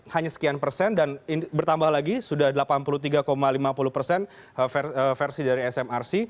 hanya sekian persen dan bertambah lagi sudah delapan puluh tiga lima puluh persen versi dari smrc